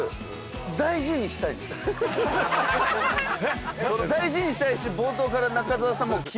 大事にしたいし。